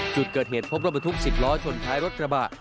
จุดเกิดเหตุพบรถบรรทุก๑๐ล้อชนท้ายรถกระบะ